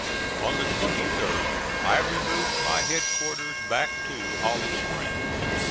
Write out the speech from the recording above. On the 23d I removed my headquarters back to Holly Springs.